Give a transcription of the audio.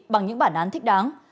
bằng những bản án thích đáng